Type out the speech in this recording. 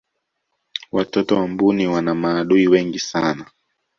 watoto wa mbuni wana maadui wengi sana